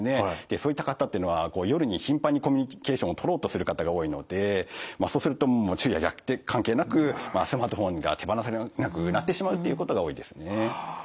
そういった方っていうのは夜に頻繁にコミュニケーションをとろうとする方が多いのでそうするともう昼夜逆転関係なくスマートフォンが手放せなくなってしまうっていうことが多いですね。